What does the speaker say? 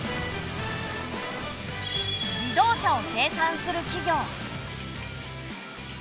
自動車を生産する企業。